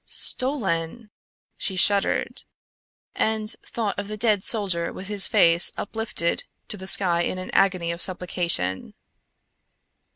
"Stolen," she shuddered, and thought of the dead soldier with his face uplifted to the sky in an agony of supplication.